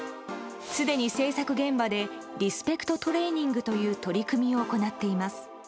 すでに制作現場でリスペクト・トレーニングという取り組みを行っています。